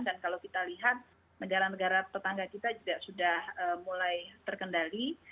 dan kalau kita lihat negara negara tetangga kita juga sudah mulai terkendali